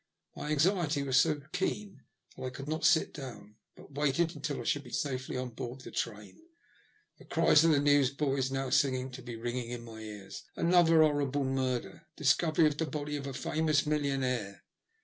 My anxiety was so keen that I could not sit down, but waited until I should be safely on board the train. The cries of the newsboys seemed still to be ringing in my ears —" Another 'orrible* murder ! Discovery of the body of a famous millionaire